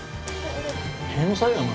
天才やな。